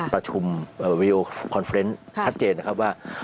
ประชุมวิดีโอคอนเฟรนต์ชัดเจนนะครับว่า